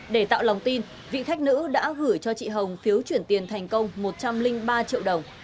để tạo lòng tin vị khách nữ đã gửi cho chị hồng phiếu chuyển tiền thành công một trăm linh ba triệu đồng